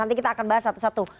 nanti kita akan bahas satu satu